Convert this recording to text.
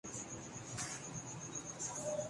سینے پہ ہاتھ ہے نہ نظر کو تلاش بام